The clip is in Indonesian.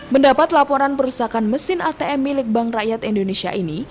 mendapat laporan perusakan mesin atm milik bank rakyat indonesia ini